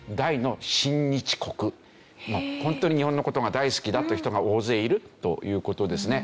ホントに日本の事が大好きだという人が大勢いるという事ですね。